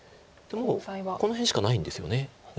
もうこの辺しかないんですよね。